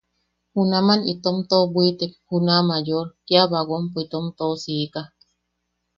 Junaman itom toʼobwitek juna Mayor, kia bagonpo itom toʼosika.